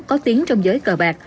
có tiếng trong giới cờ bạc